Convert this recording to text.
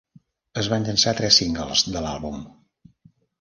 Es van llançar tres singles de l'àlbum.